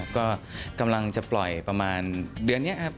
ก็กำลังจะปล่อยประมาณเดือนนี้ครับ